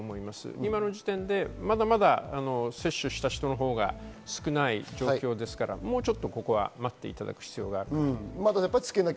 今の時点で接種した人のほうが少ない状況ですから、もうちょっと待っていただく必要があると思います。